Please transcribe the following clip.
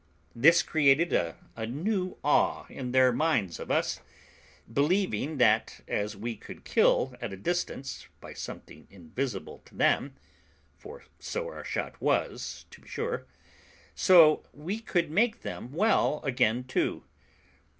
This created a new awe in their minds of us, believing that, as we could kill at a distance by something invisible to them (for so our shot was, to be sure), so we could make them well again too.